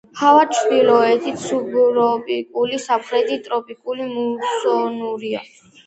ჰავა ჩრდილოეთით სუბტროპიკული, სამხრეთით ტროპიკული მუსონურია.